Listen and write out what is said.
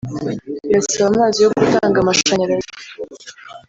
Birasaba amazi yo gutanga amashanyarazi